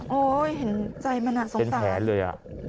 เห็นใจมันสงสารเป็นแผนเลย